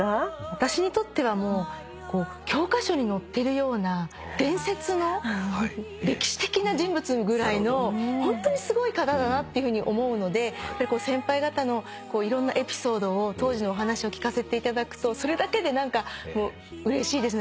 私にとってはもう教科書に載ってるような伝説の歴史的な人物ぐらいのホントにすごい方だなっていうふうに思うので先輩方のいろんなエピソードを当時のお話を聞かせていただくとそれだけで何かうれしいですね。